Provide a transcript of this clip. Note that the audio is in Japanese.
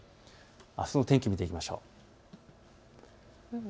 あすの天気を見ていきましょう。